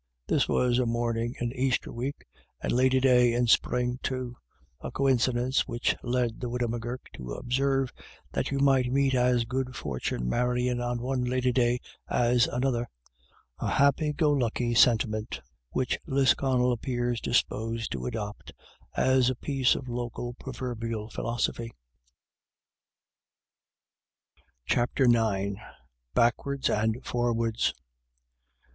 This was a morning in Easter week, and Lady Day in Spring too — a coincidence which led the widow M'Gurk to observe that you might meet as good fortune marrying on one Lady Day as another: a happy go lucky sentiment which Lis connel appears disposed to adopt as a piece of local proverbial philosophy. 17 CHAPTER IX. BACKWARDS AND FORWARDS.